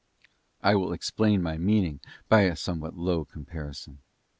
I will explain my meaning by a somewhat low comparison.